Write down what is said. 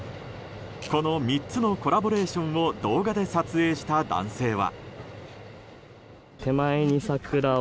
この３つのコラボレーションを動画で撮影した男性は。